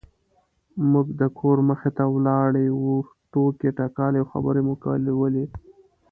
موږ د کور مخې ته ولاړې وو ټوکې ټکالې او خبرې مو کولې.